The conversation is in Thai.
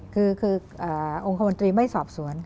คือองค์คมนตรีไม่สอบสวน